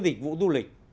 dịch vụ du lịch